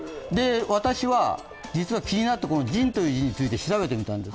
私は、実は気になって「仁」について調べてみたんです。